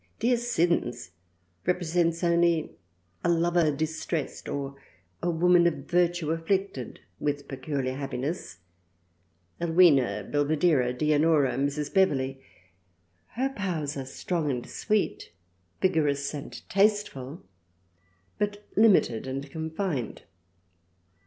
Dear Siddons represents only a Lover distressed or a Woman of Virtue afflicted, with peculiar Happiness, Elwina, Belvidera, Dianora, Mrs Beverley, Her Powers are THRALIANA 51 strong and sweet, vigorous and tasteful ; but limited and confined.